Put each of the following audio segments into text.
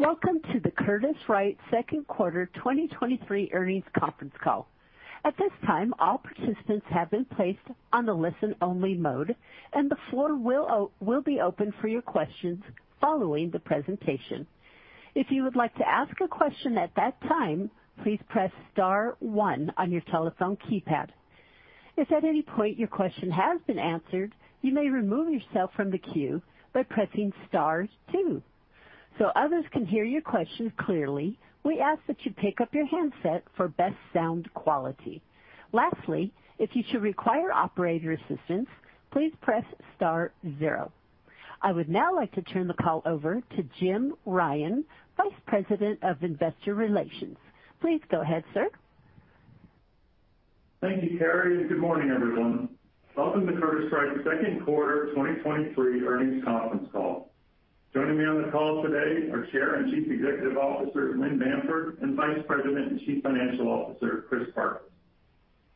Welcome to the Curtiss-Wright second quarter 2023 earnings conference call. At this time, all participants have been placed on the listen-only mode, and the floor will be open for your questions following the presentation. If you would like to ask a question at that time, please press star one on your telephone keypad. If at any point your question has been answered, you may remove yourself from the queue by pressing star two. Others can hear your question clearly, we ask that you pick up your handset for best sound quality. Lastly, if you should require operator assistance, please press star zero. I would now like to turn the call over to Jim Ryan, Vice President of Investor Relations. Please go ahead, sir. Thank you, Carrie, good morning, everyone. Welcome to Curtiss-Wright's second quarter 2023 earnings conference call. Joining me on the call today are Chair and Chief Executive Officer, Lynn Bamford, and Vice President and Chief Financial Officer, Chris Farkas.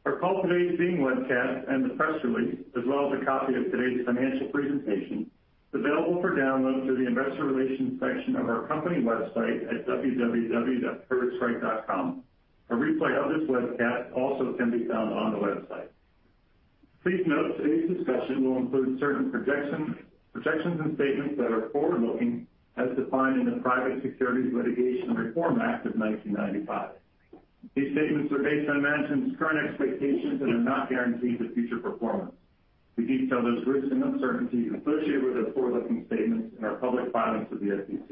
Our call today is being webcast, and the press release, as well as a copy of today's financial presentation, available for download through the Investor Relations section of our company website at www.curtisswright.com. A replay of this webcast also can be found on the website. Please note, today's discussion will include certain projections and statements that are forward-looking, as defined in the Private Securities Litigation Reform Act of 1995. These statements are based on management's current expectations and are not guarantees of future performance. We detail those risks and uncertainties associated with our forward-looking statements in our public filings with the SEC.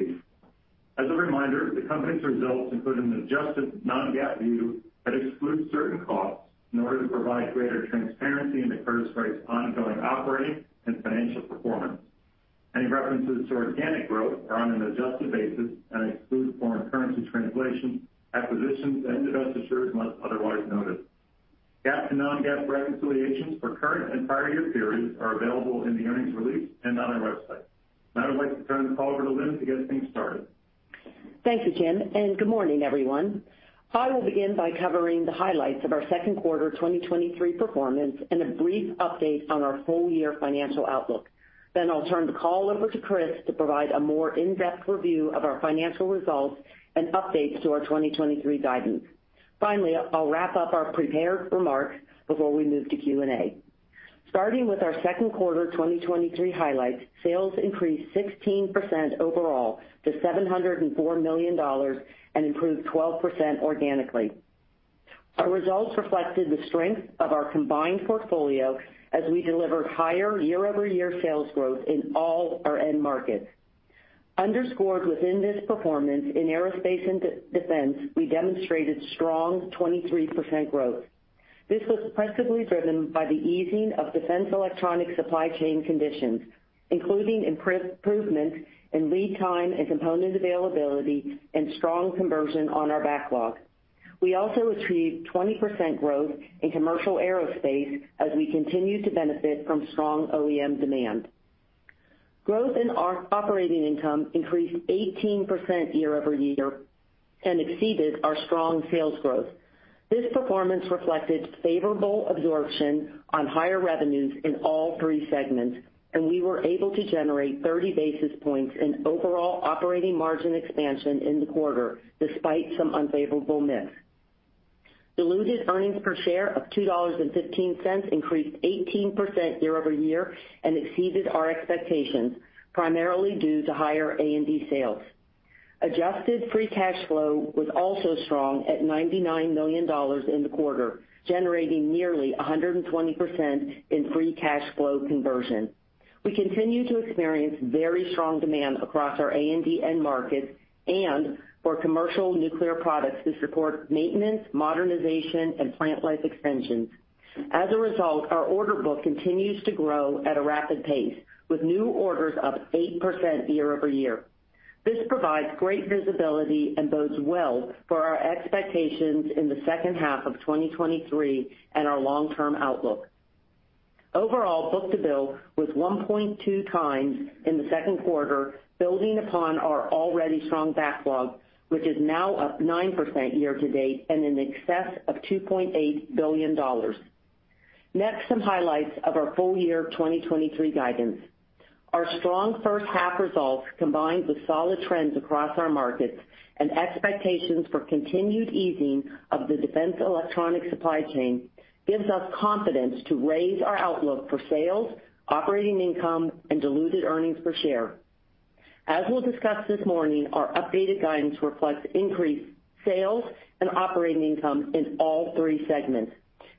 As a reminder, the company's results include an adjusted non-GAAP view that excludes certain costs in order to provide greater transparency into Curtiss-Wright's ongoing operating and financial performance. Any references to organic growth are on an adjusted basis and exclude foreign currency translation, acquisitions, and divestitures, unless otherwise noted. GAAP and non-GAAP reconciliations for current and prior year periods are available in the earnings release and on our website. I'd like to turn the call over to Lynn to get things started. Thank you, Jim. Good morning, everyone. I will begin by covering the highlights of our second quarter 2023 performance and a brief update on our full-year financial outlook. I'll turn the call over to Chris to provide a more in-depth review of our financial results and updates to our 2023 guidance. Finally, I'll wrap up our prepared remarks before we move to Q&A. Starting with our second quarter 2023 highlights, sales increased 16% overall to $704 million and improved 12% organically. Our results reflected the strength of our combined portfolio as we delivered higher year-over-year sales growth in all our end markets. Underscored within this performance, in aerospace and defense, we demonstrated strong 23% growth. This was principally driven by the easing of Defense Electronics supply chain conditions, including improvements in lead time and component availability and strong conversion on our backlog. We also achieved 20% growth in commercial aerospace as we continued to benefit from strong OEM demand. Growth in our operating income increased 18% year-over-year and exceeded our strong sales growth. This performance reflected favorable absorption on higher revenues in all three segments, and we were able to generate 30 basis points in overall operating margin expansion in the quarter, despite some unfavorable mix. Diluted earnings per share of $2.15 increased 18% year-over-year and exceeded our expectations, primarily due to higher A&D sales. Adjusted free cash flow was also strong at $99 million in the quarter, generating nearly 120% in free cash flow conversion. We continue to experience very strong demand across our A&D end markets and for commercial nuclear products that support maintenance, modernization, and plant life extensions. As a result, our order book continues to grow at a rapid pace, with new orders up 8% year-over-year. This provides great visibility and bodes well for our expectations in the second half of 2023 and our long-term outlook. Overall, book-to-bill was 1.2x in the second quarter, building upon our already strong backlog, which is now up 9% year to date and in excess of $2.8 billion. Next, some highlights of our full year 2023 guidance. Our strong first half results, combined with solid trends across our markets and expectations for continued easing of the Defense Electronics supply chain, gives us confidence to raise our outlook for sales, operating income, and diluted earnings per share. As we'll discuss this morning, our updated guidance reflects increased sales and operating income in all three segments,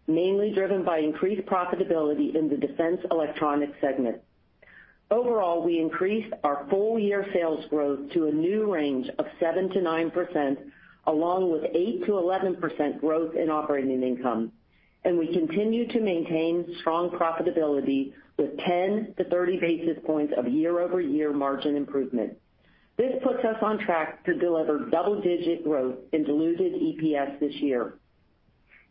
mainly driven by increased profitability in the Defense Electronics segment. Overall, we increased our full-year sales growth to a new range of 7%-9%, along with 8%-11% growth in operating income, and we continue to maintain strong profitability with 10-30 basis points of year-over-year margin improvement. This puts us on track to deliver double-digit growth in diluted EPS this year.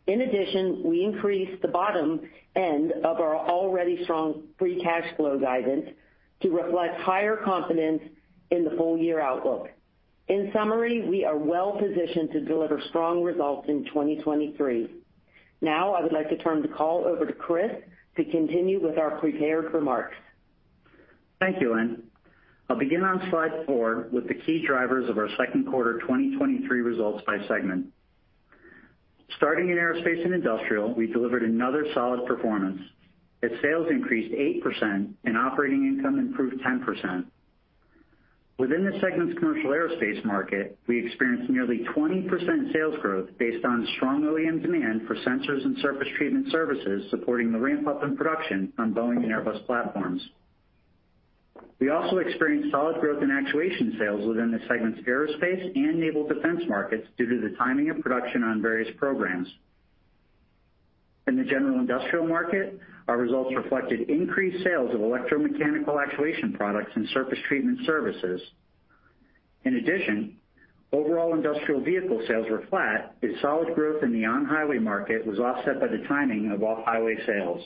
In addition, we increased the bottom end of our already strong free cash flow guidance to reflect higher confidence in the full-year outlook. In summary, we are well positioned to deliver strong results in 2023. I would like to turn the call over to Chris to continue with our prepared remarks. Thank you, Lynn. I'll begin on slide four with the key drivers of our second quarter 2023 results by segment. Starting in Aerospace & Industrial, we delivered another solid performance. Its sales increased 8% and operating income improved 10%. Within the segment's commercial aerospace market, we experienced nearly 20% sales growth based on strong OEM demand for sensors and surface treatment services, supporting the ramp-up in production on Boeing and Airbus platforms. We also experienced solid growth in actuation sales within the segment's aerospace and naval defense markets due to the timing of production on various programs. In the general industrial market, our results reflected increased sales of electromechanical actuation products and surface treatment services. In addition, overall industrial vehicle sales were flat, as solid growth in the on-highway market was offset by the timing of off-highway sales.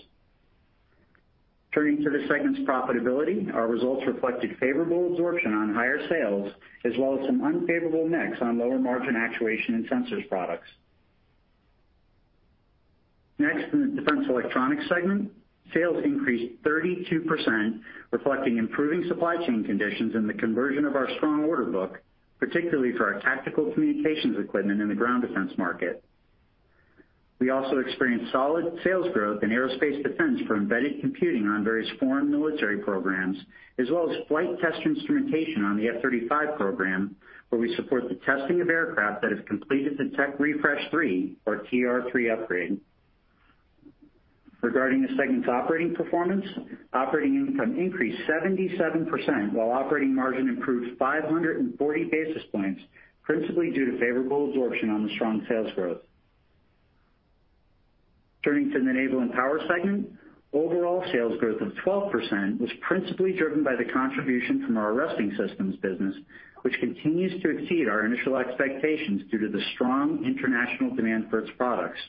Turning to the segment's profitability, our results reflected favorable absorption on higher sales, as well as some unfavorable mix on lower margin actuation and sensors products. Next, in the Defense Electronics segment, sales increased 32%, reflecting improving supply chain conditions and the conversion of our strong order book, particularly for our tactical communications equipment in the ground defense market. We also experienced solid sales growth in aerospace defense for embedded computing on various foreign military programs, as well as flight test instrumentation on the F-35 program, where we support the testing of aircraft that have completed the Tech Refresh 3, or TR-3 upgrade. Regarding the segment's operating performance, operating income increased 77%, while operating margin improved 540 basis points, principally due to favorable absorption on the strong sales growth. Turning to the Naval & Power segment, overall sales growth of 12% was principally driven by the contribution from our arresting systems business, which continues to exceed our initial expectations due to the strong international demand for its products.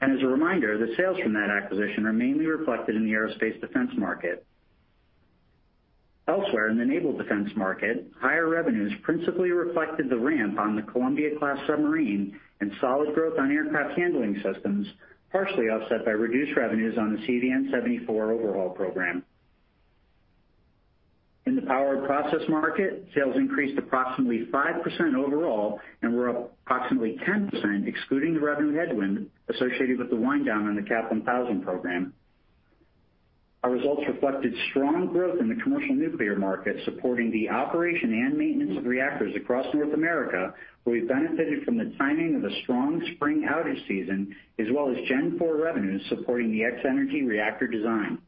As a reminder, the sales from that acquisition are mainly reflected in the aerospace defense market. Elsewhere, in the naval defense market, higher revenues principally reflected the ramp on the Columbia-class submarine and solid growth on aircraft handling systems, partially offset by reduced revenues on the CVN-74 overhaul program. In the power process market, sales increased approximately 5% overall and were up approximately 10%, excluding the revenue headwind associated with the wind down on the CAP1000 program. Our results reflected strong growth in the commercial nuclear market, supporting the operation and maintenance of reactors across North America, where we benefited from the timing of a strong spring outage season, as well as Gen IV revenues supporting the X-energy reactor design.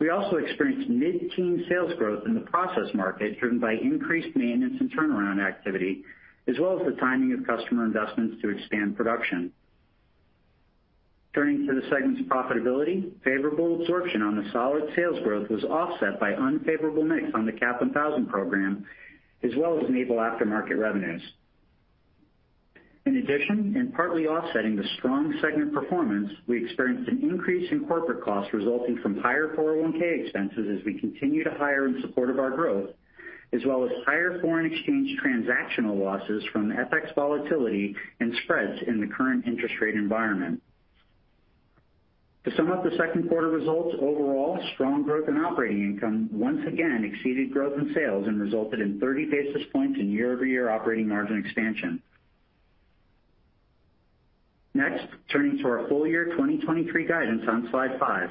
We also experienced mid-teen sales growth in the process market, driven by increased maintenance and turnaround activity, as well as the timing of customer investments to expand production. Turning to the segment's profitability, favorable absorption on the solid sales growth was offset by unfavorable mix on the AP1000 program, as well as naval aftermarket revenues. Partly offsetting the strong segment performance, we experienced an increase in corporate costs resulting from higher 401 expenses as we continue to hire in support of our growth, as well as higher foreign exchange transactional losses from FX volatility and spreads in the current interest rate environment. To sum up the second quarter results, overall, strong growth in operating income once again exceeded growth in sales and resulted in 30 basis points in year-over-year operating margin expansion. Turning to our full year 2023 guidance on slide five.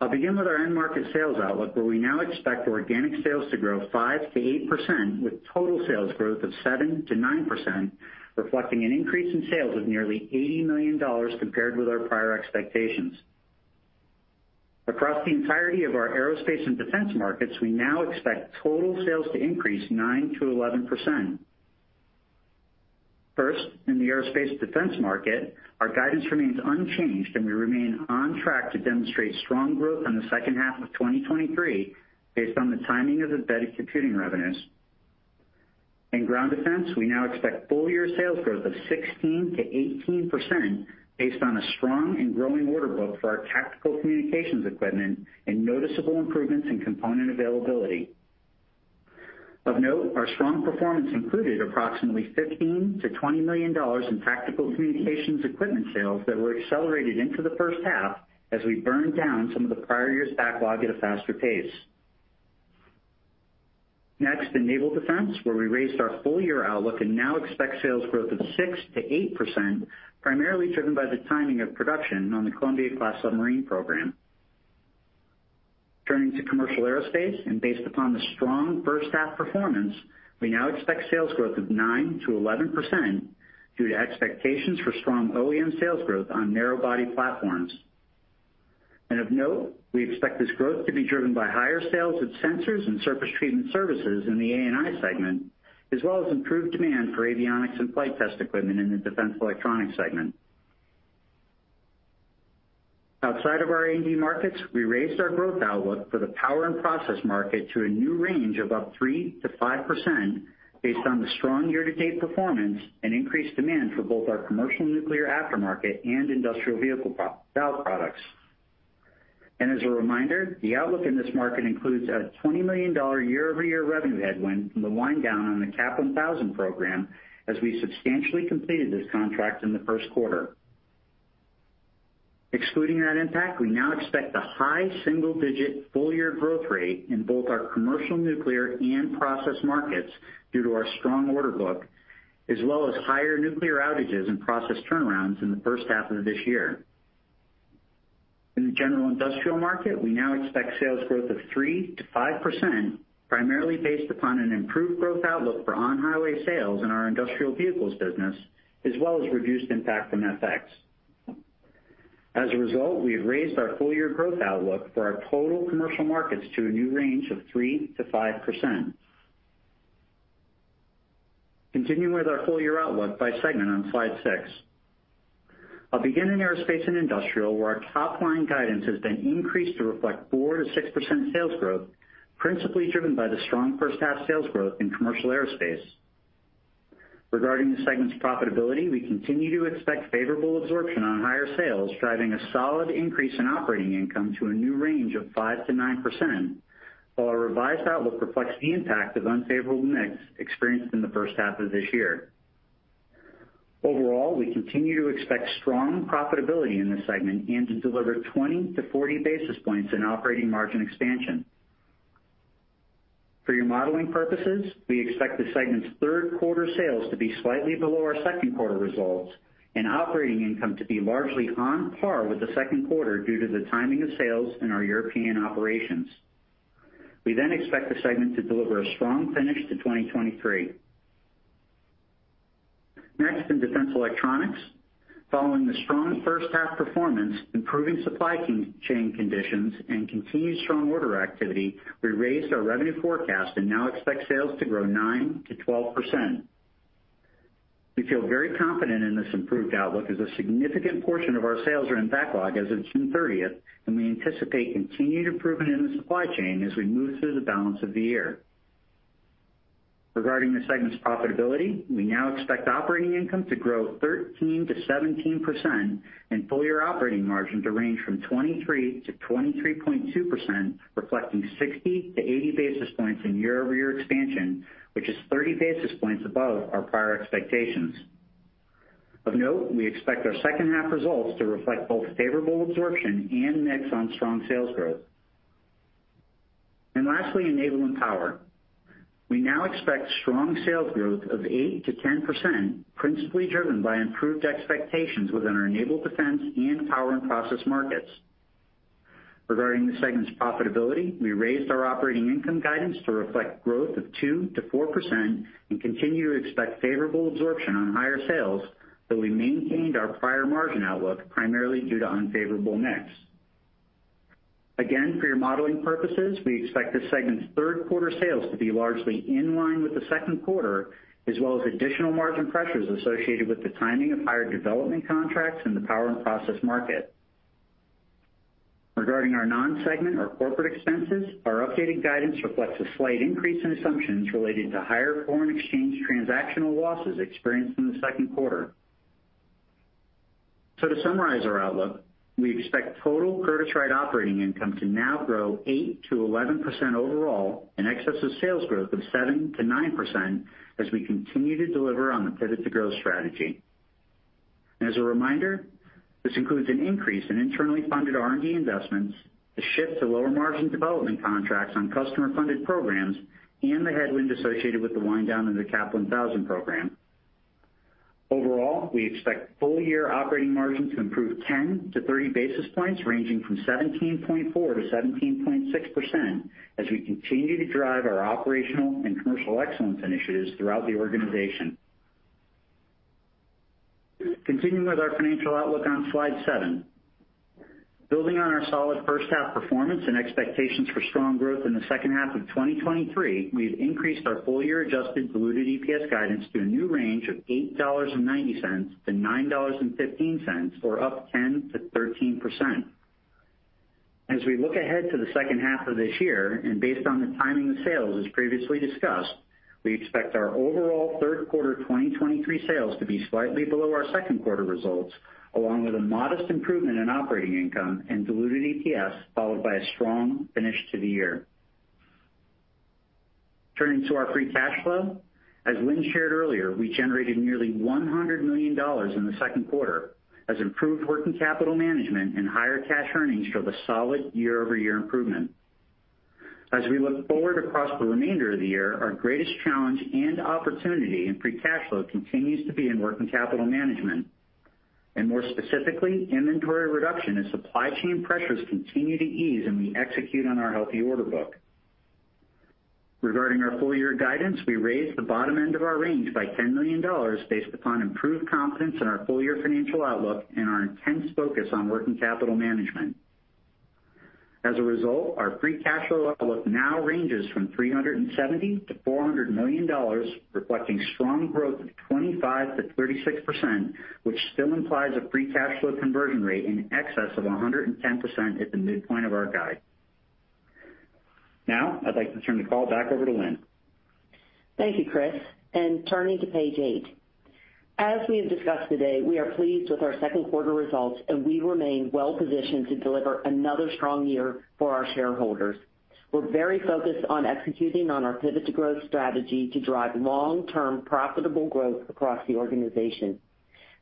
I'll begin with our end market sales outlook, where we now expect organic sales to grow 5%-8%, with total sales growth of 7%-9%, reflecting an increase in sales of nearly $80 million compared with our prior expectations. Across the entirety of our aerospace and defense markets, we now expect total sales to increase 9%-11%. In the aerospace defense market, our guidance remains unchanged, and we remain on track to demonstrate strong growth in the second half of 2023, based on the timing of embedded computing revenues. In ground defense, we now expect full year sales growth of 16%-18% based on a strong and growing order book for our tactical communications equipment and noticeable improvements in component availability. Of note, our strong performance included approximately $15 million-$20 million in tactical communications equipment sales that were accelerated into the first half as we burned down some of the prior year's backlog at a faster pace. In naval defense, where we raised our full-year outlook and now expect sales growth of 6%-8%, primarily driven by the timing of production on the Columbia-class submarine program. Turning to commercial aerospace and based upon the strong first half performance, we now expect sales growth of 9%-11% due to expectations for strong OEM sales growth on narrow body platforms. Of note, we expect this growth to be driven by higher sales of sensors and Surface Technologies services in the A&I segment, as well as improved demand for avionics and flight test equipment in the Defense Electronics segment. Outside of our A&D markets, we raised our growth outlook for the power and process market to a new range of up 3%-5% based on the strong year-to-date performance and increased demand for both our commercial nuclear aftermarket and industrial vehicle valve products. As a reminder, the outlook in this market includes a $20 million year-over-year revenue headwind from the wind down on the CAP1000 program, as we substantially completed this contract in the first quarter. Excluding that impact, we now expect a high single-digit full-year growth rate in both our commercial, nuclear, and process markets due to our strong order book, as well as higher nuclear outages and process turnarounds in the first half of this year. In the general industrial market, we now expect sales growth of 3%-5%, primarily based upon an improved growth outlook for on-highway sales in our industrial vehicles business, as well as reduced impact from FX. As a result, we have raised our full-year growth outlook for our total commercial markets to a new range of 3%-5%. Continuing with our full-year outlook by segment on slide six. I'll begin in Aerospace & Industrial, where our top-line guidance has been increased to reflect 4%-6% sales growth, principally driven by the strong first half sales growth in commercial aerospace. Regarding the segment's profitability, we continue to expect favorable absorption on higher sales, driving a solid increase in operating income to a new range of 5%-9%, while our revised outlook reflects the impact of unfavorable mix experienced in the first half of this year. Overall, we continue to expect strong profitability in this segment and to deliver 20-40 basis points in operating margin expansion. For your modeling purposes, we expect the segment's third quarter sales to be slightly below our second quarter results, and operating income to be largely on par with the second quarter due to the timing of sales in our European operations. We then expect the segment to deliver a strong finish to 2023. Next, in Defense Electronics. Following the strong first half performance, improving supply chain conditions, and continued strong order activity, we raised our revenue forecast and now expect sales to grow 9%-12%. We feel very confident in this improved outlook, as a significant portion of our sales are in backlog as of June 30th, and we anticipate continued improvement in the supply chain as we move through the balance of the year. Regarding the segment's profitability, we now expect operating income to grow 13%-17% and full year operating margins to range from 23%-23.2%, reflecting 60-80 basis points in year-over-year expansion, which is 30 basis points above our prior expectations. Lastly, Naval & Power. We now expect strong sales growth of 8%-10%, principally driven by improved expectations within our Naval Defense and Power and process markets. Regarding the segment's profitability, we raised our operating income guidance to reflect growth of 2%-4% and continue to expect favorable absorption on higher sales, though we maintained our prior margin outlook primarily due to unfavorable mix. Again, for your modeling purposes, we expect this segment's 3rd quarter sales to be largely in line with the second quarter, as well as additional margin pressures associated with the timing of higher development contracts in the Power and Process market. Regarding our non-segment or corporate expenses, our updated guidance reflects a slight increase in assumptions related to higher foreign exchange transactional losses experienced in the second quarter. To summarize our outlook, we expect total Curtiss-Wright operating income to now grow 8%-11% overall, in excess of sales growth of 7%-9% as we continue to deliver on the Pivot to Grow strategy. As a reminder, this includes an increase in internally funded R&D investments, a shift to lower margin development contracts on customer-funded programs, and the headwind associated with the wind down in the CAP1000 program. Overall, we expect full-year operating margin to improve 10-30 basis points, ranging from 17.4%-17.6%, as we continue to drive our operational and commercial excellence initiatives throughout the organization. Continuing with our financial outlook on slide 7. Building on our solid first half performance and expectations for strong growth in the second half of 2023, we've increased our full year adjusted diluted EPS guidance to a new range of $8.90-$9.15, or up 10%-13%. As we look ahead to the second half of this year, based on the timing of sales, as previously discussed, we expect our overall third quarter 2023 sales to be slightly below our second quarter results, along with a modest improvement in operating income and diluted EPS, followed by a strong finish to the year. Turning to our free cash flow. As Lynn shared earlier, we generated nearly $100 million in the second quarter, as improved working capital management and higher cash earnings drove a solid year-over-year improvement. As we look forward across the remainder of the year, our greatest challenge and opportunity in free cash flow continues to be in working capital management, and more specifically, inventory reduction as supply chain pressures continue to ease and we execute on our healthy order book. Regarding our full year guidance, we raised the bottom end of our range by $10 million, based upon improved confidence in our full year financial outlook and our intense focus on working capital management. As a result, our free cash flow outlook now ranges from $370 million-$400 million, reflecting strong growth of 25%-36%, which still implies a free cash flow conversion rate in excess of 110% at the midpoint of our guide. Now, I'd like to turn the call back over to Lynn. Thank you, Chris. Turning to page eight. As we have discussed today, we are pleased with our second quarter results, and we remain well-positioned to deliver another strong year for our shareholders. We're very focused on executing on our Pivot to Grow strategy to drive long-term profitable growth across the organization.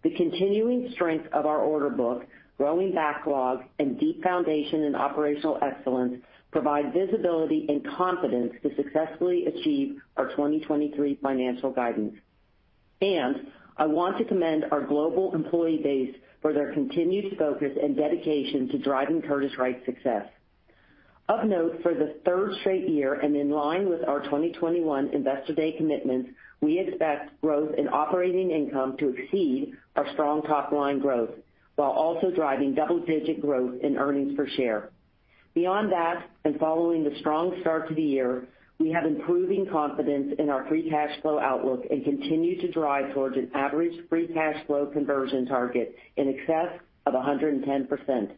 The continuing strength of our order book, growing backlogs, and deep foundation in operational excellence provide visibility and confidence to successfully achieve our 2023 financial guidance. I want to commend our global employee base for their continued focus and dedication to driving Curtiss-Wright's success. Of note, for the third straight year and in line with our 2021 Investor Day commitments, we expect growth in operating income to exceed our strong top-line growth, while also driving double-digit growth in earnings per share. Beyond that, and following the strong start to the year, we have improving confidence in our free cash flow outlook and continue to drive towards an average free cash flow conversion target in excess of 110%.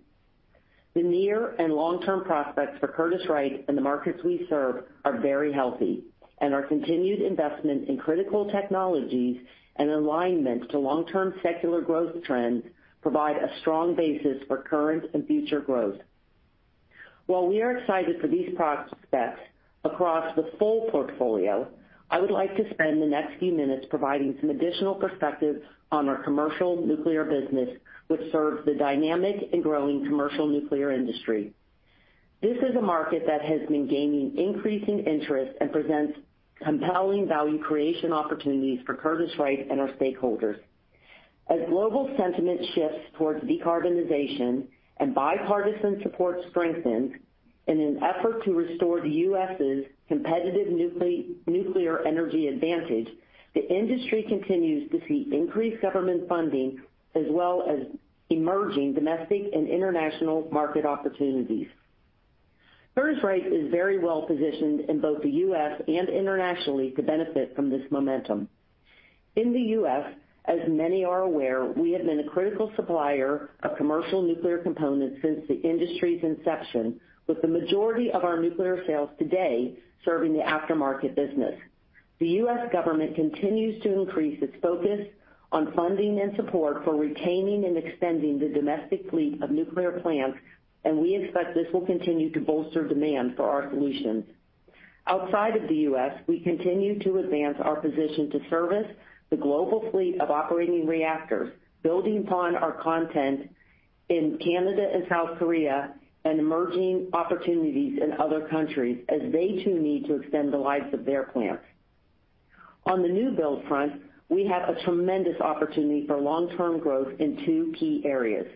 The near and long-term prospects for Curtiss-Wright and the markets we serve are very healthy, and our continued investment in critical technologies and alignment to long-term secular growth trends provide a strong basis for current and future growth. While we are excited for these prospects across the full portfolio, I would like to spend the next few minutes providing some additional perspective on our commercial nuclear business, which serves the dynamic and growing commercial nuclear industry. This is a market that has been gaining increasing interest and presents compelling value creation opportunities for Curtiss-Wright and our stakeholders. As global sentiment shifts towards decarbonization and bipartisan support strengthens in an effort to restore the U.S.'s competitive nuclear energy advantage, the industry continues to see increased government funding as well as emerging domestic and international market opportunities. Curtiss-Wright is very well positioned in both the U.S. and internationally to benefit from this momentum. In the U.S., as many are aware, we have been a critical supplier of commercial nuclear components since the industry's inception, with the majority of our nuclear sales today serving the aftermarket business. The U.S. government continues to increase its focus on funding and support for retaining and extending the domestic fleet of nuclear plants, and we expect this will continue to bolster demand for our solutions. Outside of the U.S., we continue to advance our position to service the global fleet of operating reactors, building upon our content in Canada and South Korea, and emerging opportunities in other countries as they, too, need to extend the lives of their plants. On the new build front, we have a tremendous opportunity for long-term growth in two key areas.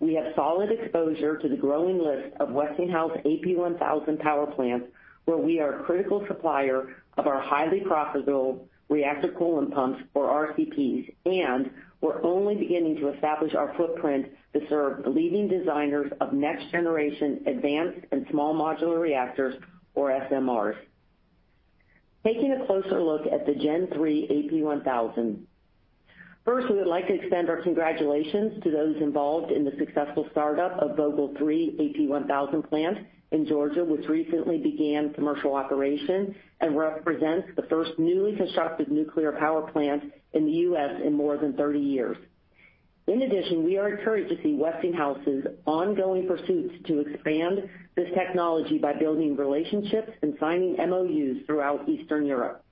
We have solid exposure to the growing list of Westinghouse AP1000 power plants, where we are a critical supplier of our highly profitable reactor coolant pumps, or RCPs, and we're only beginning to establish our footprint to serve the leading designers of next-generation advanced and small modular reactors, or SMRs. Taking a closer look at the Gen III AP1000. First, we would like to extend our congratulations to those involved in the successful startup of Vogtle 3 AP1000 plant in Georgia, which recently began commercial operation and represents the first newly constructed nuclear power plant in the U.S. in more than 30 years. In addition, we are encouraged to see Westinghouse's ongoing pursuits to expand this technology by building relationships and signing MOUs throughout Eastern Europe.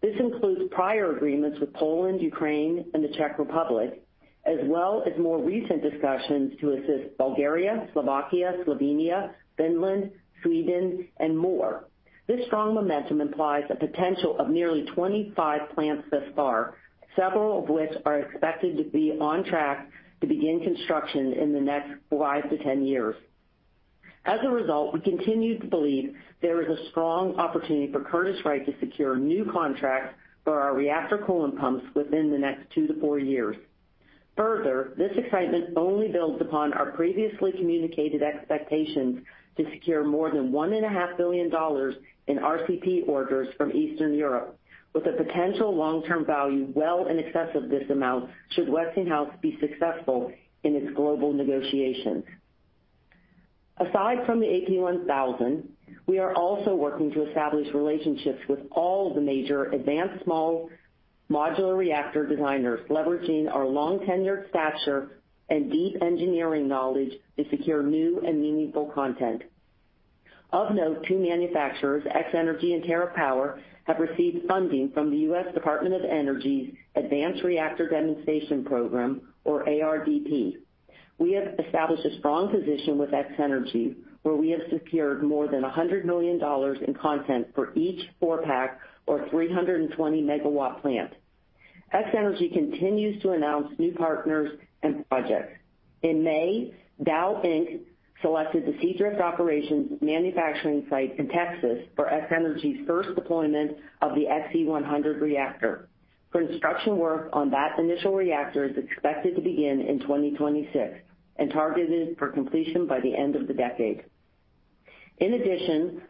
This includes prior agreements with Poland, Ukraine, and the Czech Republic, as well as more recent discussions to assist Bulgaria, Slovakia, Slovenia, Finland, Sweden, and more. This strong momentum implies a potential of nearly 25 plants thus far, several of which are expected to be on track to begin construction in the next five-ten years. As a result, we continue to believe there is a strong opportunity for Curtiss-Wright to secure new contracts for our reactor coolant pumps within the next two-four years. Further, this excitement only builds upon our previously communicated expectations to secure more than $1.5 billion in RCP orders from Eastern Europe, with a potential long-term value well in excess of this amount, should Westinghouse be successful in its global negotiations. Aside from the AP1000, we are also working to establish relationships with all the major advanced small modular reactor designers, leveraging our long-tenured stature and deep engineering knowledge to secure new and meaningful content. Of note, two manufacturers, X-energy and TerraPower, have received funding from the U.S. Department of Energy's Advanced Reactor Demonstration Program, or ARDP. We have established a strong position with X-energy, where we have secured more than $100 million in content for each four-pack or 320 MW plant. X-energy continues to announce new partners and projects. In May, Dow Inc. selected the Seadrift operations manufacturing site in Texas for X-energy's first deployment of the Xe-100 reactor. Construction work on that initial reactor is expected to begin in 2026 and targeted for completion by the end of the decade.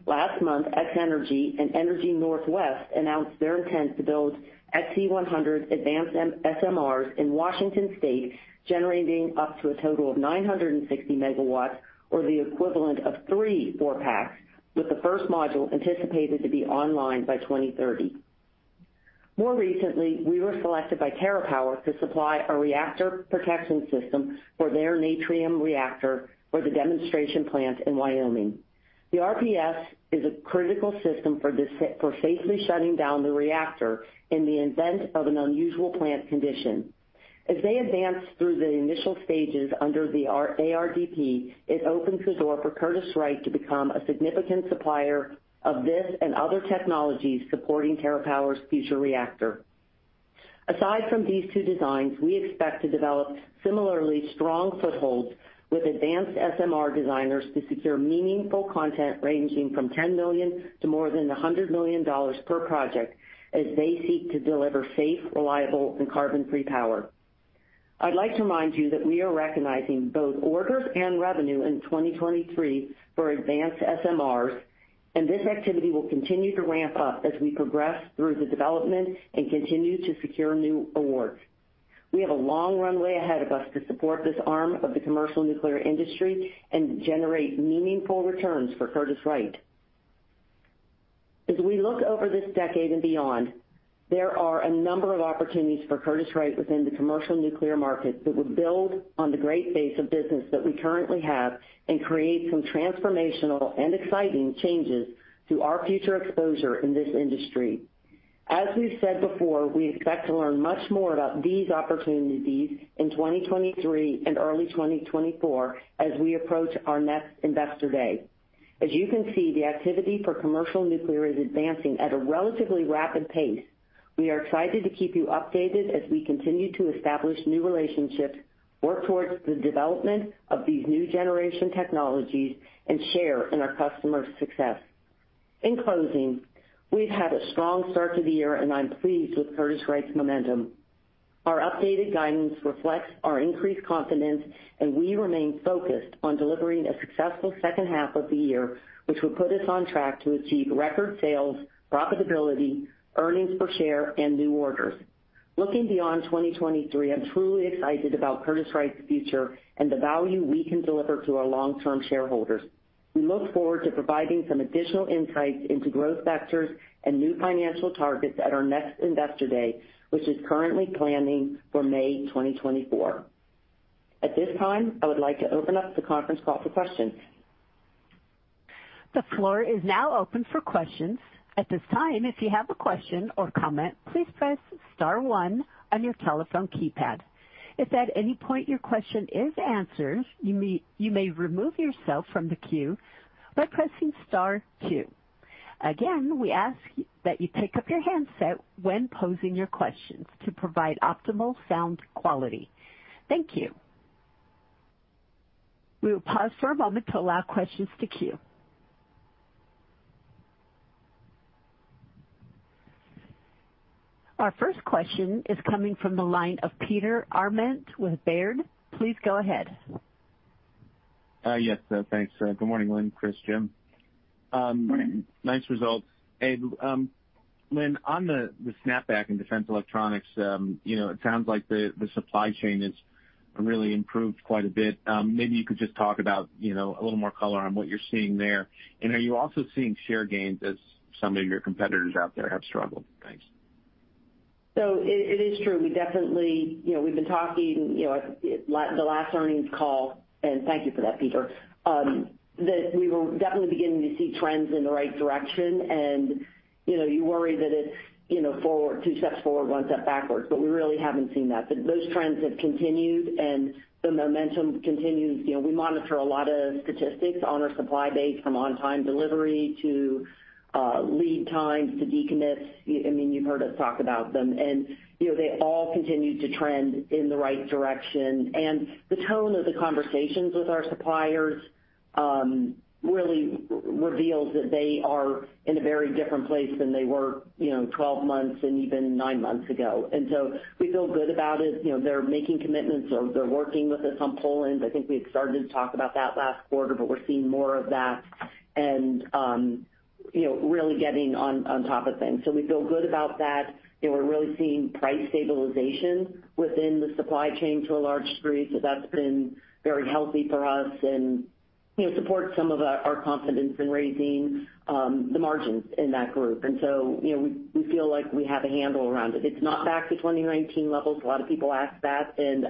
Last month, X-energy and Energy Northwest announced their intent to build Xe-100 advanced SMRs in Washington state, generating up to a total of 960 MW, or the equivalent of three four-packs, with the first module anticipated to be online by 2030. More recently, we were selected by TerraPower to supply a reactor protection system for their Natrium reactor for the demonstration plant in Wyoming. The RPS is a critical system for safely shutting down the reactor in the event of an unusual plant condition. As they advance through the initial stages under the ARDP, it opens the door for Curtiss-Wright to become a significant supplier of this and other technologies supporting TerraPower's future reactor. Aside from these two designs, we expect to develop similarly strong footholds with advanced SMR designers to secure meaningful content ranging from $10 million to more than $100 million per project, as they seek to deliver safe, reliable, and carbon-free power. I'd like to remind you that we are recognizing both orders and revenue in 2023 for advanced SMRs. This activity will continue to ramp up as we progress through the development and continue to secure new awards. We have a long runway ahead of us to support this arm of the commercial nuclear industry and generate meaningful returns for Curtiss-Wright. As we look over this decade and beyond, there are a number of opportunities for Curtiss-Wright within the commercial nuclear market that would build on the great base of business that we currently have and create some transformational and exciting changes to our future exposure in this industry. As we've said before, we expect to learn much more about these opportunities in 2023 and early 2024 as we approach our next Investor Day. As you can see, the activity for commercial nuclear is advancing at a relatively rapid pace. We are excited to keep you updated as we continue to establish new relationships, work towards the development of these new generation technologies, and share in our customers' success. In closing, we've had a strong start to the year, and I'm pleased with Curtiss-Wright's momentum. Our updated guidance reflects our increased confidence. We remain focused on delivering a successful second half of the year, which will put us on track to achieve record sales, profitability, earnings per share, and new orders. Looking beyond 2023, I'm truly excited about Curtiss-Wright's future and the value we can deliver to our long-term shareholders. We look forward to providing some additional insights into growth vectors and new financial targets at our next Investor Day, which is currently planning for May 2024. At this time, I would like to open up the conference call for questions. The floor is now open for questions. At this time, if you have a question or comment, please press star one on your telephone keypad. If at any point your question is answered, you may remove yourself from the queue by pressing star two. Again, we ask that you pick up your handset when posing your questions to provide optimal sound quality. Thank you. We will pause for a moment to allow questions to queue. Our first question is coming from the line of Peter Arment with Baird. Please go ahead. Yes, thanks. Good morning, Lynn, Chris, Jim. Morning. Nice results. Lynn, on the snapback in Defense Electronics, you know, it sounds like the supply chain has really improved quite a bit. Maybe you could just talk about, you know, a little more color on what you're seeing there. Are you also seeing share gains as some of your competitors out there have struggled? Thanks. It, it is true. We definitely, you know, we've been talking, you know, the last earnings call, and thank you for that, Peter, that we were definitely beginning to see trends in the right direction. You know, you worry that it's, you know, forward-- two steps forward, one step backwards, but we really haven't seen that. Those trends have continued, and the momentum continues. You know, we monitor a lot of statistics on our supply base, from on-time delivery to lead times to decommits. I mean, you've heard us talk about them, and, you know, they all continue to trend in the right direction. The tone of the conversations with our suppliers, really reveals that they are in a very different place than they were, you know, 12 months and even nine months ago. We feel good about it. You know, they're making commitments. They're, they're working with us on pull-ins. I think we had started to talk about that last quarter, but we're seeing more of that and, you know, really getting on, on top of things. We feel good about that. You know, we're really seeing price stabilization within the supply chain to a large degree, so that's been very healthy for us and, you know, supports some of our, our confidence in raising the margins in that group. You know, we, we feel like we have a handle around it. It's not back to 2019 levels. A lot of people ask that, and,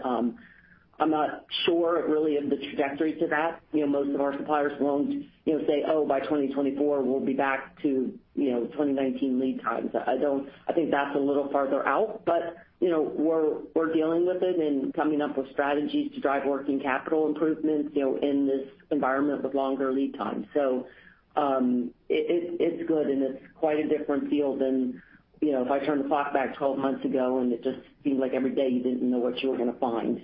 I'm not sure really of the trajectory to that. You know, most of our suppliers won't, you know, say, "Oh, by 2024, we'll be back to, you know, 2019 lead times." I don't think that's a little farther out, but, you know, we're dealing with it and coming up with strategies to drive working capital improvements, you know, in this environment with longer lead times. It's good, and it's quite a different feel than, you know, if I turn the clock back 12 months ago, and it just seemed like every day you didn't know what you were going to find.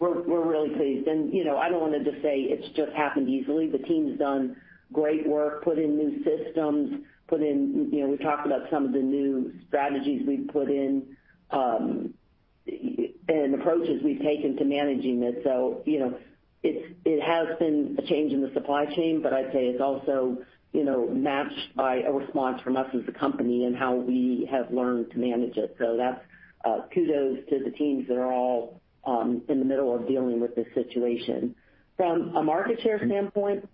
We're really pleased. You know, I don't want to just say it's just happened easily. The team's done great work, put in new systems, put in. You know, we talked about some of the new strategies we've put in, and approaches we've taken to managing this. You know, it's- it has been a change in the supply chain, but I'd say it's also, you know, matched by a response from us as a company and how we have learned to manage it. That's kudos to the teams that are all in the middle of dealing with this situation. From a market share standpoint.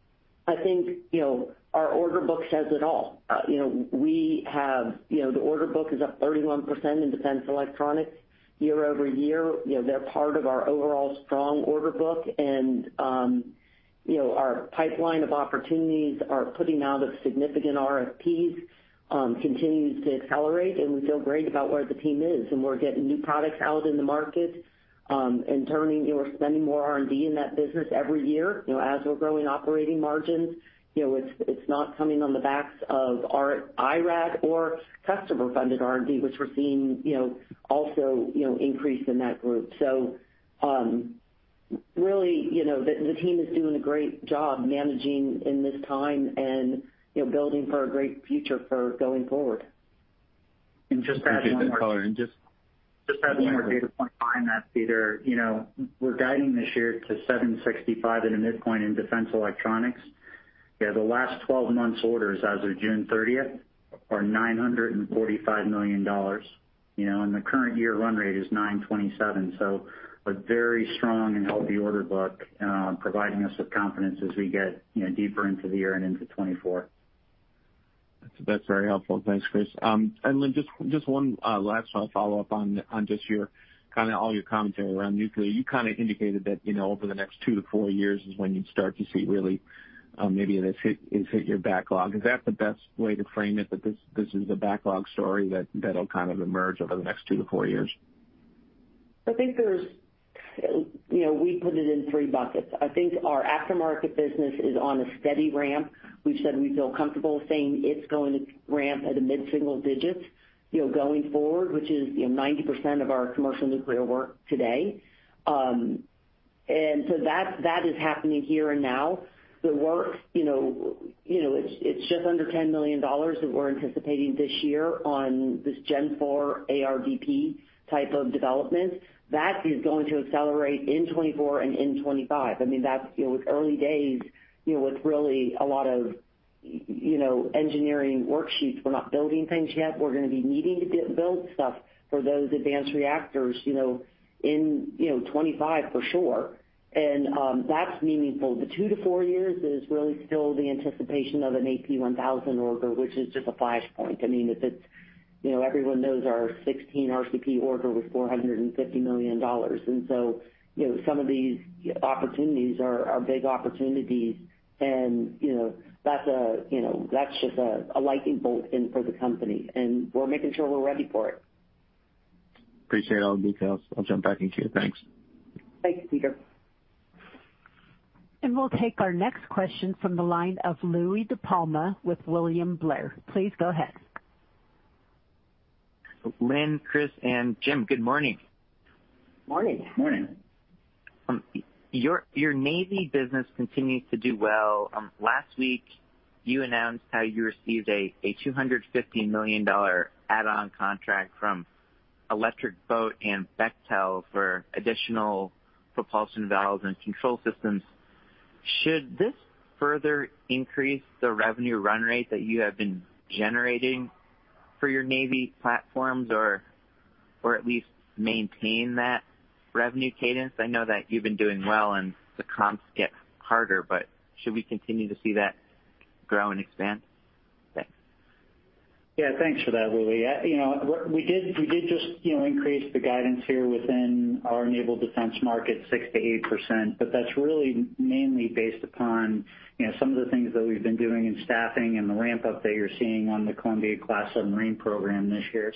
I think, you know, our order book says it all. You know, we have, you know, the order book is up 31% in Defense Electronics year over year. You know, they're part of our overall strong order book, and, you know, our pipeline of opportunities are putting out of significant RFPs continues to accelerate, and we feel great about where the team is. We're getting new products out in the market, we're spending more R&D in that business every year. You know, as we're growing operating margins, you know, it's, it's not coming on the backs of our IRAD or customer-funded R&D, which we're seeing, you know, also, you know, increase in that group. Really, you know, the, the team is doing a great job managing in this time and, you know, building for a great future for going forward. Just add one more. Appreciate that, color. Just add one more data point behind that, Peter. You know, we're guiding this year to $765 million in the midpoint in Defense Electronics. Yeah, the last 12 months orders as of June 30th are $945 million, you know, and the current year run rate is $927 million. A very strong and healthy order book, providing us with confidence as we get, you know, deeper into the year and into 2024. That's very helpful. Thanks, Chris. Lynn, just, just one, last follow-up on, on just your kind of all your commentary around nuclear. You kind of indicated that, you know, over the next two-four years is when you'd start to see really, maybe this hit, it hit your backlog. Is that the best way to frame it, that this, this is a backlog story that, that'll kind of emerge over the next two-four years? I think there's, you know, we put it in three buckets. I think our aftermarket business is on a steady ramp. We've said we feel comfortable saying it's going to ramp at a mid-single digits, you know, going forward, which is, you know, 90% of our commercial nuclear work today. So that, that is happening here and now. The work, you know, you know, it's, it's just under $10 million that we're anticipating this year on this Gen IV ARDP type of development. That is going to accelerate in 2024 and in 2025. I mean, that's, you know, it's early days, you know, with really a lot of, you know, engineering worksheets. We're not building things yet. We're gonna be needing to build stuff for those advanced reactors, you know, in, you know, 2025, for sure. That's meaningful. The two-four years is really still the anticipation of an AP1000 order, which is just a flashpoint. I mean, if it's, you know, everyone knows our 16 RCP order was $450 million. So, you know, some of these opportunities are, are big opportunities and, you know, that's a, you know, that's just a, a lightning bolt in for the company, and we're making sure we're ready for it. Appreciate all the details. I'll jump back in queue. Thanks. Thanks, Peter. We'll take our next question from the line of Louie DiPalma with William Blair. Please go ahead. Lynn, Chris, and Jim, good morning. Morning. Morning. Your, your Navy business continues to do well. Last week, you announced how you received a $215 million add-on contract from Electric Boat and Bechtel for additional propulsion valves and control systems. Should this further increase the revenue run rate that you have been generating for your Navy platforms, or, or at least maintain that revenue cadence? I know you've been doing well and the comps get harder, should we continue to see that grow and expand? Thanks. Yeah, thanks for that, Louis. You know, we did, we did just, you know, increase the guidance here within our Naval Defense market, 6%-8%, but that's really mainly based upon, you know, some of the things that we've been doing in staffing and the ramp-up that you're seeing on the Columbia-class submarine program this year.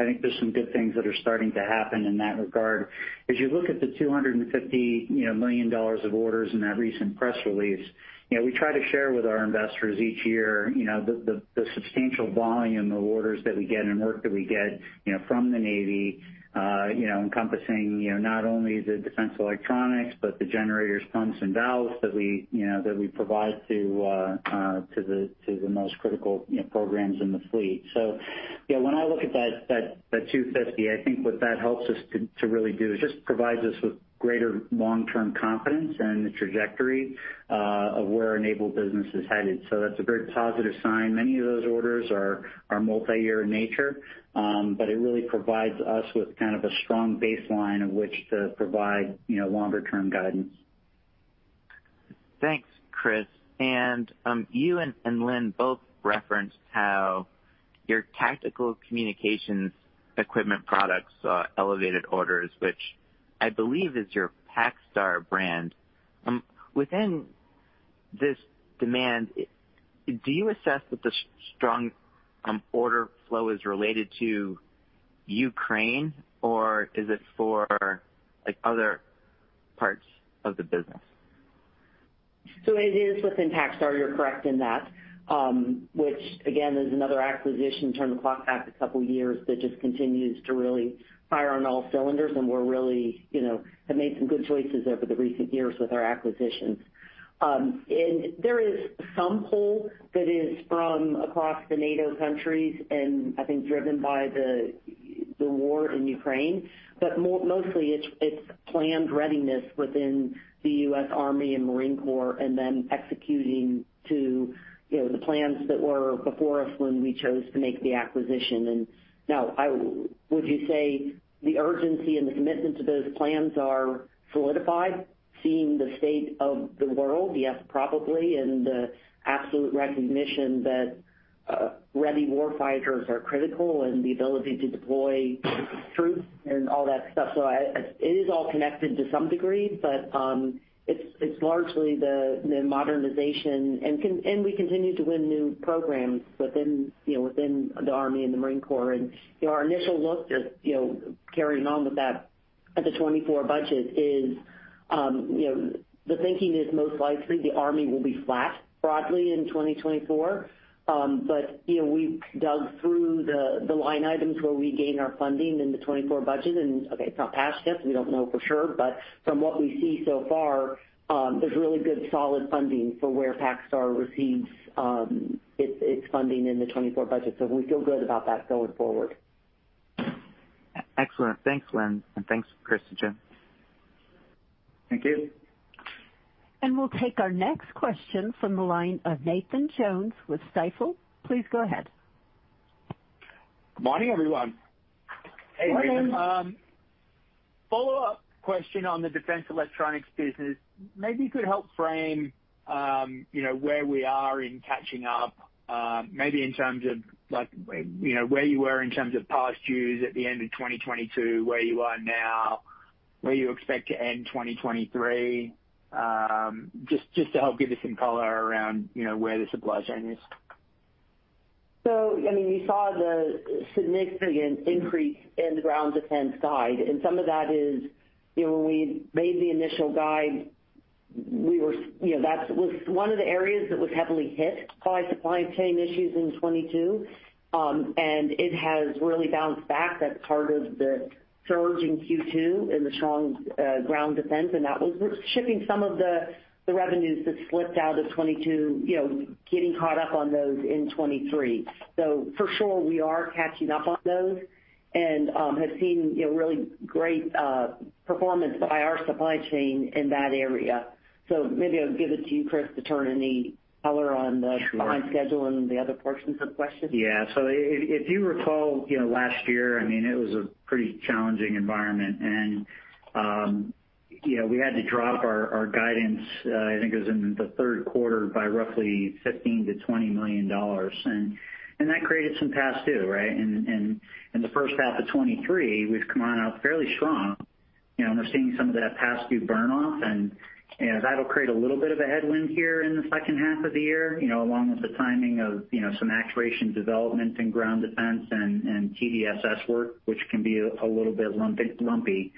I think there's some good things that are starting to happen in that regard. As you look at the $250 million, you know, of orders in that recent press release, you know, we try to share with our investors each year, you know, the, the, the substantial volume of orders that we get and work that we get, you know, from the Navy, you know, encompassing, you know, not only the Defense Electronics, but the generators, pumps, and valves that we, you know, that we provide to, to the, to the most critical, you know, programs in the fleet. Yeah, when I look at that, that, that 250, I think what that helps us to, to really do is just provides us with greater long-term confidence in the trajectory, of where our naval business is headed. That's a very positive sign. Many of those orders are, are multiyear in nature, but it really provides us with kind of a strong baseline of which to provide, you know, longer term guidance. Thanks, Chris. You and, and Lynn both referenced how your tactical communications equipment products elevated orders, which I believe is your PacStar brand. Within this demand, do you assess that the strong order flow is related to Ukraine, or is it for, like, other parts of the business? It is within PacStar, you're correct in that. Which again, is another acquisition, turn the clock back two years, that just continues to really fire on all cylinders, and we're really, you know, have made some good choices over the recent years with our acquisitions. There is some pull that is from across the NATO countries, and I think driven by the war in Ukraine, but mostly it's, it's planned readiness within the U.S. Army and Marine Corps, and then executing to, you know, the plans that were before us when we chose to make the acquisition. Now, would you say the urgency and the commitment to those plans are solidified, seeing the state of the world? Yes, probably, and the absolute recognition that ready warfighters are critical in the ability to deploy troops and all that stuff. I, it is all connected to some degree, but it's, it's largely the, the modernization. We continue to win new programs within, you know, within the Army and the Marine Corps. You know, our initial look at, you know, carrying on with that at the 2024 budget is, you know, the thinking is most likely the Army will be flat broadly in 2024. You know, we've dug through the, the line items where we gain our funding in the 2024 budget, and, okay, it's not passed yet, so we don't know for sure. From what we see so far, there's really good, solid funding for where PacStar receives, its, its funding in the 2024 budget. We feel good about that going forward. Excellent. Thanks, Lynn, and thanks, Chris and Jim. Thank you. We'll take our next question from the line of Nathan Jones with Stifel. Please go ahead. Good morning, everyone. Hey, Nathan. Follow-up question on the Defense Electronics business. Maybe you could help frame, you know, where we are in catching up, maybe in terms of like, where, you know, where you were in terms of past dues at the end of 2022, where you are now, where you expect to end 2023. Just to help give us some color around, you know, where the supply chain is. I mean, we saw the significant increase in the ground defense guide, and some of that is, you know, when we made the initial guide, we were, you know, that was one of the areas that was heavily hit by supply chain issues in 2022. It has really bounced back. That's part of the surge in Q2, in the strong ground defense, and that was shipping some of the, the revenues that slipped out of 2022, you know, getting caught up on those in 2023. For sure, we are catching up on those and have seen, you know, really great performance by our supply chain in that area. Maybe I'll give it to you, Chris, to turn any color on the- Sure. behind schedule and the other portions of the question. Yeah. If you recall, you know, last year, I mean, it was a pretty challenging environment. You know, we had to drop our guidance, I think it was in the third quarter by roughly $15 million-$20 million. That created some past due, right? In the first half of 2023, we've come on out fairly strong. You know, and we're seeing some of that past due burn-off, and, and that'll create a little bit of a headwind here in the second half of the year, you know, along with the timing of, you know, some actuation development and ground defense and, and TDSS work, which can be a little bit lumpy.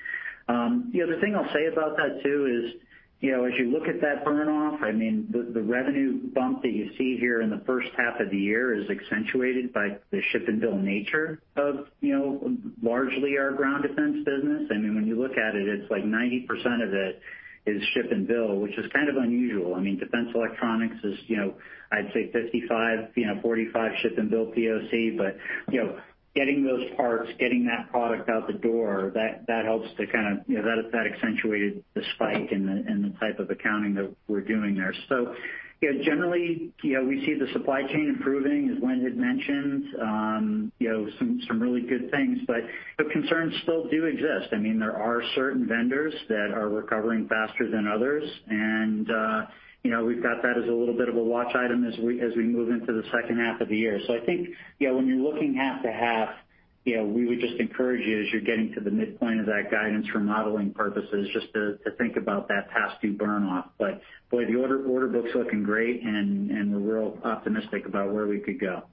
The other thing I'll say about that, too, is, you know, as you look at that burn-off, I mean, the, the revenue bump that you see here in the first half of the year is accentuated by the ship-and-bill nature of, you know, largely our ground defense business. I mean, when you look at it, it's like 90% of it is ship-and-bill, which is kind of unusual. I mean, Defense Electronics is, you know, I'd say 55, you know, 45 ship-and-bill POC. You know, getting those parts, getting that product out the door, that, that helps to kind of... You know, that, that accentuated the spike in the, in the type of accounting that we're doing there. You know, generally, you know, we see the supply chain improving, as Lynn had mentioned, you know, some, some really good things, but the concerns still do exist. I mean, there are certain vendors that are recovering faster than others, and, you know, we've got that as a little bit of a watch item as we, as we move into the second half of the year. I think, you know, when you're looking half to half, you know, we would just encourage you, as you're getting to the midpoint of that guidance for modeling purposes, just to, to think about that past due burn-off. Boy, the order, order book's looking great, and, and we're real optimistic about where we could go.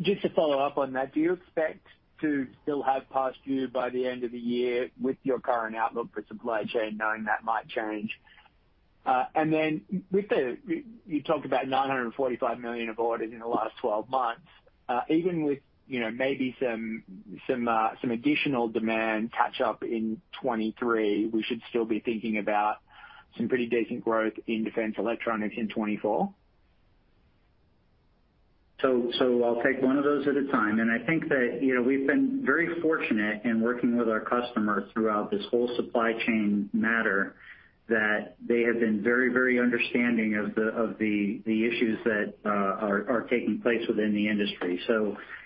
Just to follow up on that, do you expect to still have past due by the end of the year with your current outlook for supply chain, knowing that might change? With the, you talked about 945 million of orders in the last 12 months. Even with, you know, maybe some, some, some additional demand catch up in 2023, we should still be thinking about some pretty decent growth in Defense Electronics in 2024? I'll take one of those at a time, and I think that, you know, we've been very fortunate in working with our customers throughout this whole supply chain matter, that they have been very, very understanding of the issues that are taking place within the industry.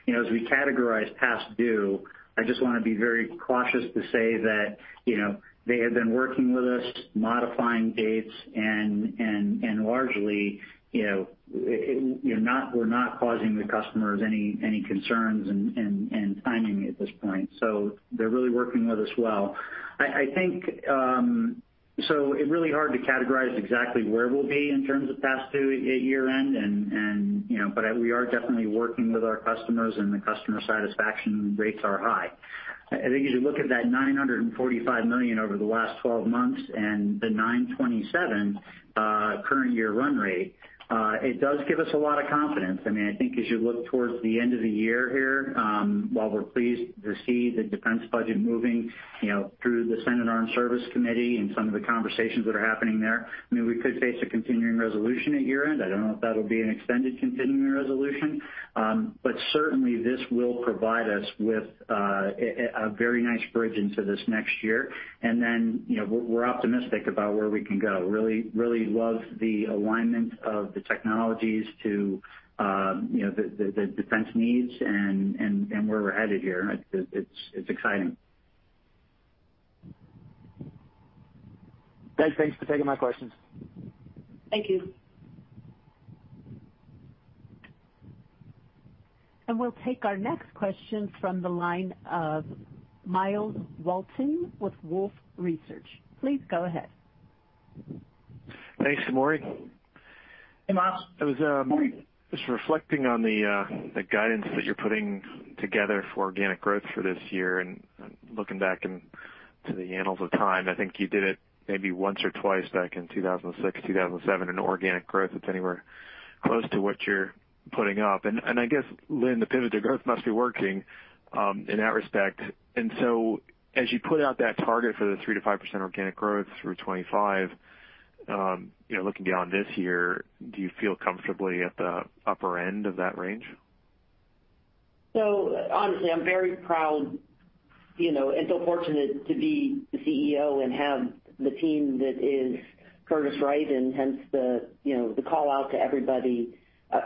You know, as we categorize past due, I just wanna be very cautious to say that, you know, they have been working with us, modifying dates, and largely, you know, we're not causing the customers any concerns and timing at this point. They're really working with us well. I think, so it's really hard to categorize exactly where we'll be in terms of past due year and you know, but we are definitely working with our customers, and the customer satisfaction rates are high. I think as you look at that $945 million over the last 12 months and the $927 million current year run rate, it does give us a lot of confidence. I mean, I think as you look towards the end of the year here, while we're pleased to see the defense budget moving, you know, through the Senate Armed Services Committee and some of the conversations that are happening there, I mean, we could face a continuing resolution at year-end. I don't know if that'll be an extended continuing resolution, but certainly, this will provide us with a very nice bridge into this next year. Then, you know, we're, we're optimistic about where we can go. Really, really love the alignment of the technologies to, you know, the defense needs and where we're headed here. It, it's, it's exciting. Thanks for taking my questions. Thank you. We'll take our next question from the line of Myles Walton with Wolfe Research. Please go ahead. Thanks, Carrie. Hey, Myles. I was just reflecting on the guidance that you're putting together for organic growth for this year, and looking back in, to the annals of time, I think you did it maybe once or twice back in 2006, 2007, in organic growth, it's anywhere close to what you're putting up. I guess, Lynn, the Pivot to Grow must be working in that respect. So as you put out that target for the 3%-5% organic growth through 2025, you know, looking beyond this year, do you feel comfortably at the upper end of that range? Honestly, I'm very proud, you know, and so fortunate to be the CEO and have the team that is Curtiss-Wright, and hence the, you know, the call out to everybody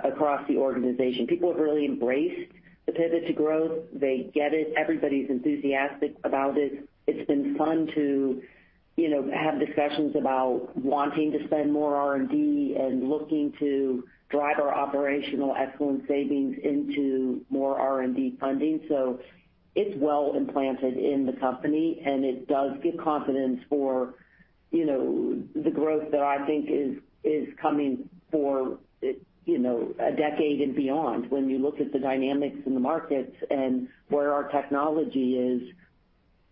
across the organization. People have really embraced the Pivot to Grow. They get it. Everybody's enthusiastic about it. It's been fun to, you know, have discussions about wanting to spend more R&D and looking to drive our operational excellence savings into more R&D funding. It's well implanted in the company, and it does give confidence for, you know, the growth that I think is, is coming for, you know, a decade and beyond. When you look at the dynamics in the markets and where our technology is,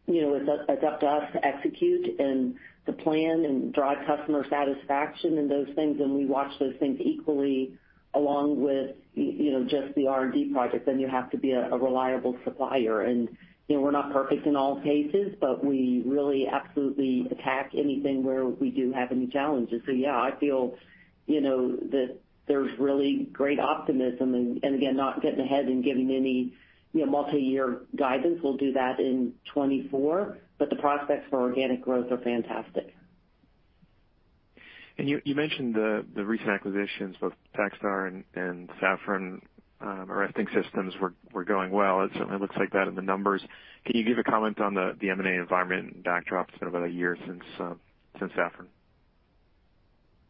you know, it's up, it's up to us to execute and to plan and drive customer satisfaction and those things, and we watch those things equally along with, you know, just the R&D projects, and you have to be a, a reliable supplier. You know, we're not perfect in all cases, but we really absolutely attack anything where we do have any challenges. Yeah, I feel, you know, that there's really great optimism. Again, not getting ahead and giving any, you know, multiyear guidance. We'll do that in 2024, but the prospects for organic growth are fantastic. You, you mentioned the, the recent acquisitions, both PacStar and, and Safran Arresting Systems were, were going well. It certainly looks like that in the numbers. Can you give a comment on the, the M&A environment and backdrop? It's been about a year since, since Safran.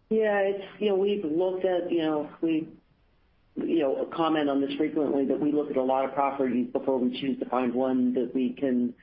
Yeah, You know, we've looked at, you know, we, you know, comment on this frequently, that we look at a lot of properties before we choose to find one that we can,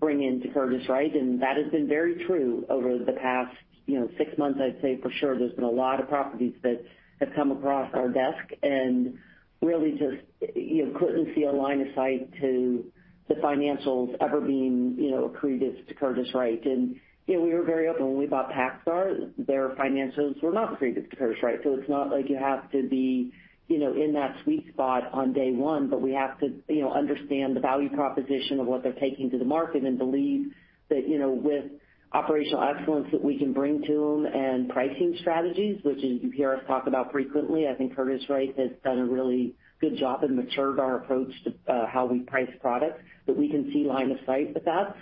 bring into Curtiss-Wright, and that has been very true over the past, you know, six months. I'd say for sure there's been a lot of properties that have come across our desk and really just, you know, couldn't see a line of sight to the financials ever being, you know, accretive to Curtiss-Wright. You know, we were very open when we bought PacStar. Their financials were not accretive to Curtiss-Wright, it's not like you have to be, you know, in that sweet spot on day one, but we have to, you know, understand the value proposition of what they're taking to the market and believe that, you know, with operational excellence that we can bring to them and pricing strategies, which you hear us talk about frequently. I think Curtiss-Wright has done a really good job and matured our approach to how we price products, that we can see line of sight with that.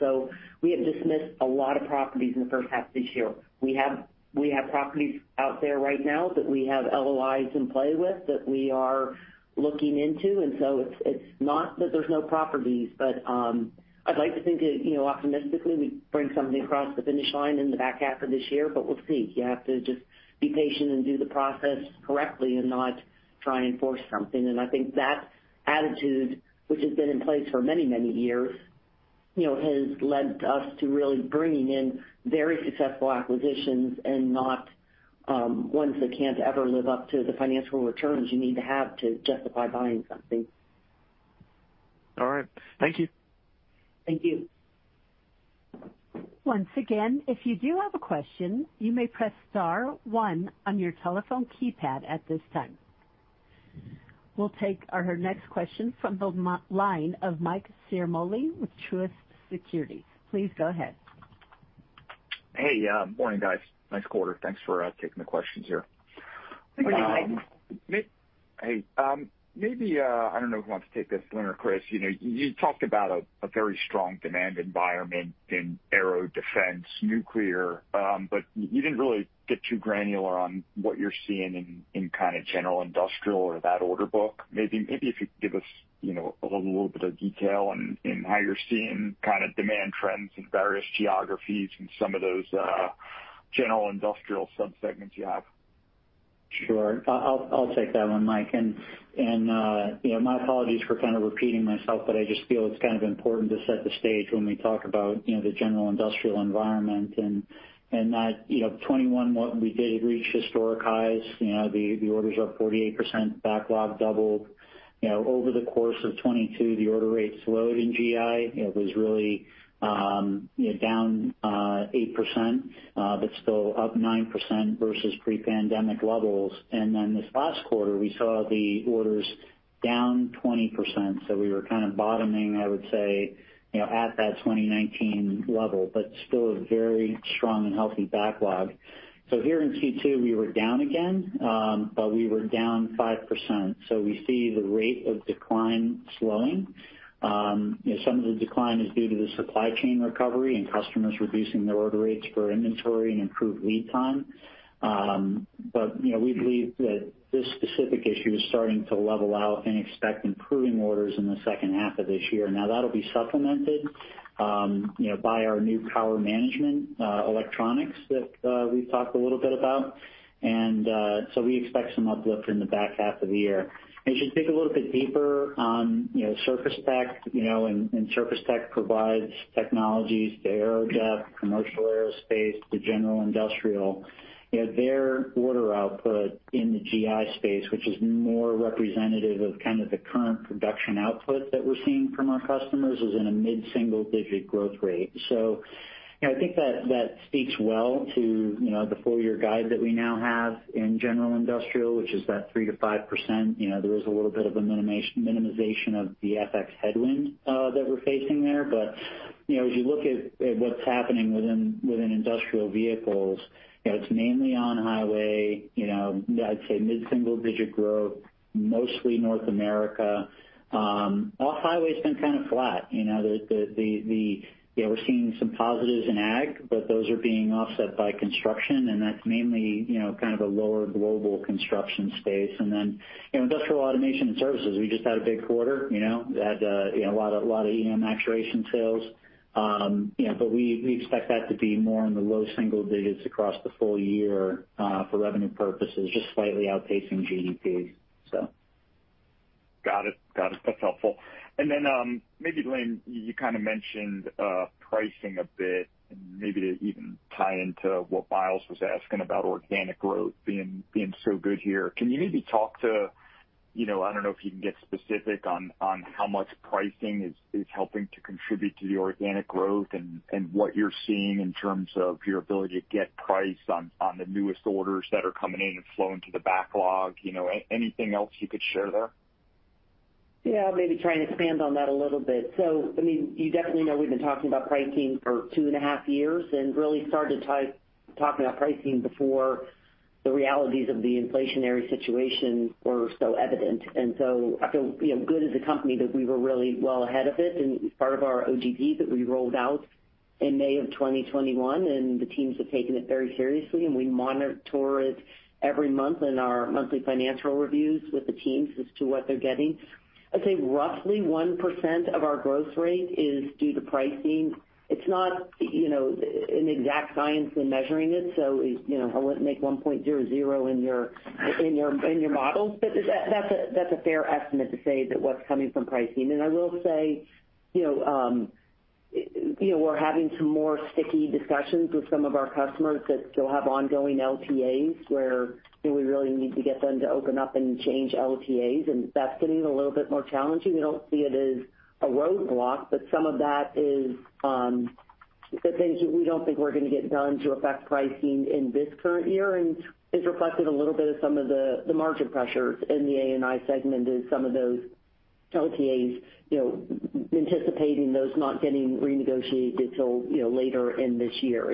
We have dismissed a lot of properties in the first half of this year. We have, we have properties out there right now that we have LOIs in play with, that we are looking into. It's not that there's no properties. I'd like to think that, you know, optimistically, we bring something across the finish line in the back half of this year. We'll see. You have to just be patient and do the process correctly and not try and force something. I think that attitude, which has been in place for many, many years, you know, has led to us to really bringing in very successful acquisitions and not ones that can't ever live up to the financial returns you need to have to justify buying something. All right. Thank you. Thank you. Once again, if you do have a question, you may press star 1 on your telephone keypad at this time. We'll take our next question from the line of Mike Ciarmoli with Truist Securities. Please go ahead. Hey, morning, guys. Nice quarter. Thanks for taking the questions here. Good morning, Mike. Hey, maybe, I don't know who wants to take this, Lynn or Chris, you know, you talked about a, a very strong demand environment in aero defense, nuclear, but you didn't really get too granular on what you're seeing in, in kind of General Industrial or that order book. Maybe, maybe if you could give us, you know, a little bit of detail on, in how you're seeing kind of demand trends in various geographies and some of those, General Industrial subsegments you have? Sure. I'll, I'll, I'll take that one, Mike. My apologies for kind of repeating myself, but I just feel it's kind of important to set the stage when we talk about, you know, the general industrial environment and, and that, you know, 2021, what we did reach historic highs. You know, the, the orders are up 48%, backlog doubled. You know, over the course of 2022, the order rate slowed in GI. It was really, you know, down 8%, but still up 9% versus pre-pandemic levels. This last quarter, we saw the orders down 20%. We were kind of bottoming, I would say, you know, at that 2019 level, but still a very strong and healthy backlog. Here in Q2, we were down again, but we were down 5%, so we see the rate of decline slowing. You know, some of the decline is due to the supply chain recovery and customers reducing their order rates for inventory and improved lead time. You know, we believe that this specific issue is starting to level out and expect improving orders in the second half of this year. Now, that'll be supplemented, you know, by our new power management electronics that we've talked a little bit about. We expect some uplift in the back half of the year. You should dig a little bit deeper on, you know, Surface Tech, you know, and Surface Tech provides technologies to Aerospace & Industrial, commercial aerospace, to General Industrial. You know, their order output in the GI space, which is more representative of kind of the current production output that we're seeing from our customers, is in a mid-single-digit growth rate. You know, I think that, that speaks well to, you know, the full year guide that we now have in general industrial, which is that 3%-5%. You know, there is a little bit of a minimization of the FX headwind that we're facing there. You know, as you look at, at what's happening within, within industrial vehicles, you know, it's mainly on highway, you know, I'd say mid-single digit growth, mostly North America. Off highway's been kind of flat. You know, yeah, we're seeing some positives in ag, but those are being offset by construction. That's mainly, you know, kind of a lower global construction space. Then, you know, industrial automation and services, we just had a big quarter, you know, had, you know, a lot of, lot of EM maturation sales. You know, but we, we expect that to be more in the low single digits across the full year, for revenue purposes, just slightly outpacing GDP. Got it. Got it. That's helpful. Maybe, Lynn, you kind of mentioned pricing a bit and maybe to even tie into what Miles was asking about organic growth being, being so good here. Can you maybe talk to, you know... I don't know if you can get specific on, on how much pricing is, is helping to contribute to the organic growth and, and what you're seeing in terms of your ability to get price on, on the newest orders that are coming in and flowing to the backlog. You know, anything else you could share there? Yeah, maybe try and expand on that a little bit. I mean, you definitely know we've been talking about pricing for 2.5 years and really started talking about pricing before the realities of the inflationary situation were so evident. I feel, you know, good as a company, that we were really well ahead of it and part of our OGD that we rolled out in May of 2021, and the teams have taken it very seriously, and we monitor it every month in our monthly financial reviews with the teams as to what they're getting. I'd say roughly 1% of our growth rate is due to pricing. It's not, you know, an exact science in measuring it, so, you know, I wouldn't make 1.00 in your, in your, in your models. That's a, that's a fair estimate to say that what's coming from pricing. I will say, you know, you know, we're having some more sticky discussions with some of our customers that still have ongoing LTAs, where, you know, we really need to get them to open up and change LTAs, and that's getting a little bit more challenging. We don't see it as a roadblock, but some of that is, the things we don't think we're going to get done to affect pricing in this current year, and it's reflected a little bit of some of the, the margin pressures in the A&I segment is some of those LTAs, you know, anticipating those not getting renegotiated till, you know, later in this year.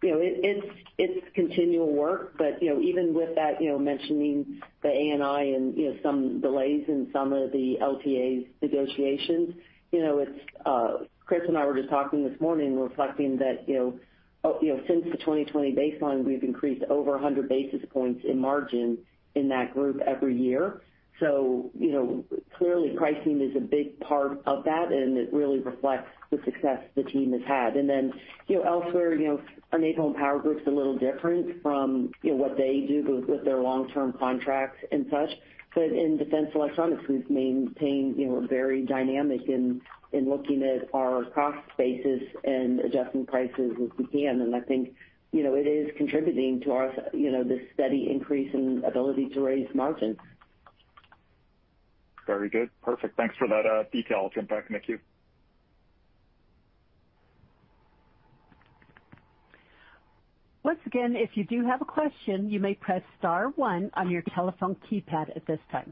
You know, it's, it's continual work, but, you know, even with that, you know, mentioning the A&I and, you know, some delays in some of the LTAs negotiations, you know, it's Chris and I were just talking this morning, reflecting that, you know, you know, since the 2020 baseline, we've increased over 100 basis points in margin in that group every year. You know, clearly pricing is a big part of that, and it really reflects the success the team has had. You know, elsewhere, you know, our Naval & Power group is a little different from, you know, what they do with, with their long-term contracts and such. In Defense Electronics, we've maintained, you know, very dynamic in, in looking at our cost basis and adjusting prices as we can. I think, you know, it is contributing to our, you know, the steady increase in ability to raise margins. Very good. Perfect. Thanks for that, detail. I'll turn it back, thank you. Once again, if you do have a question, you may press star one on your telephone keypad at this time.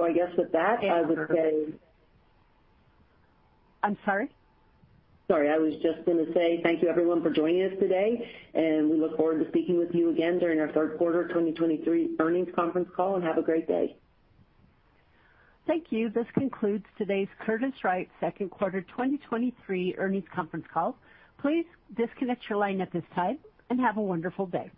I guess with that, I would say... I'm sorry? Sorry, I was just going to say thank you everyone for joining us today, and we look forward to speaking with you again during our third quarter 2023 earnings conference call, and have a great day. Thank you. This concludes today's Curtiss-Wright second quarter 2023 earnings conference call. Please disconnect your line at this time and have a wonderful day.